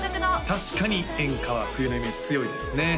確かに演歌は冬のイメージ強いですね